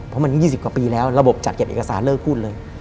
เพราะมัน๒๐กว่าปีแล้วระบบจัดเก็บเอกสารเลิกพูดเลย